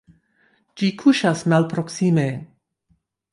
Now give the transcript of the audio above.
Ĝi kuŝas malproksime.